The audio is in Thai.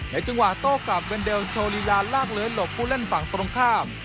ในจังหวะโต๊ะกลับเว็นเดลโชว์ฬีลาลากเลยหลบผู้เล่นฝั่งตรงข้าม